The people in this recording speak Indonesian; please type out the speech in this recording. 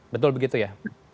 betul begitu ya